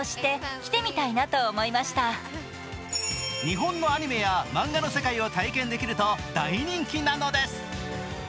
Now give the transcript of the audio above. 日本のアニメや漫画の世界を体験できると大人気なのです。